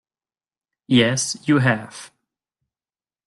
Yes, you have.